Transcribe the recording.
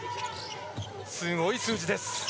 すごい数字です。